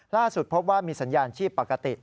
ล่าสุดพบว่ามีสัญญาณชีพปกติ